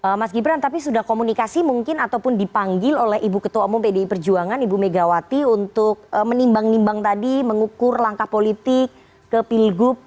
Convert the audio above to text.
oke mas gibran tapi sudah komunikasi mungkin ataupun dipanggil oleh ibu ketua umum pdi perjuangan ibu megawati untuk menimbang nimbang tadi mengukur langkah politik ke pilgub